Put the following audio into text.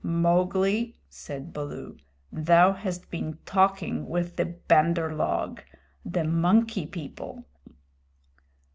"Mowgli," said Baloo, "thou hast been talking with the Bandar log the Monkey People."